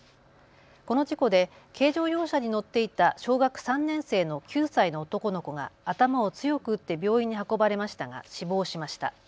この事故で軽乗用車に乗っていた小学３年生の９歳の男の子が頭を強く打って病院に運ばれましたが死亡しました。